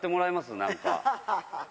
何か。